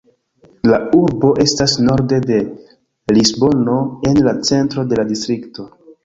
La urbo estas norde de Lisbono, en la centro de la distrikto.